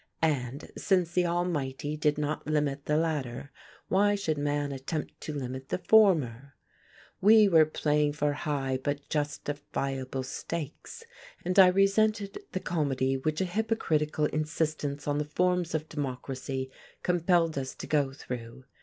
And, since the Almighty did not limit the latter, why should man attempt to limit the former? We were playing for high but justifiable stakes; and I resented the comedy which an hypocritical insistence on the forms of democracy compelled us to go through.